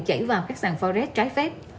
chảy vào các sàn forex trái phép